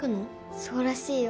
そうらしいよ。